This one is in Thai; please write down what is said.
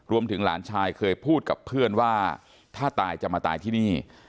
หลานชายเคยพูดกับเพื่อนว่าถ้าตายจะมาตายที่นี่